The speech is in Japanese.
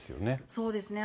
そうですね。